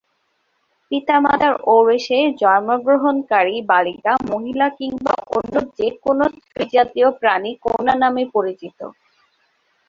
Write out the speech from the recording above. পিতা-মাতার ঔরসে জন্মগ্রহণকারী বালিকা, মহিলা কিংবা অন্য যে-কোন স্ত্রীজাতীয় প্রাণী কন্যা নামে পরিচিত।